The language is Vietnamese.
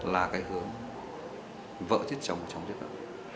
là cái hướng vợ chết chồng chóng chết vợ